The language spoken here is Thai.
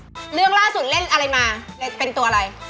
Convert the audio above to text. เรื่องล่าสุดเล่นอะไรมาเป็นตัวอะไร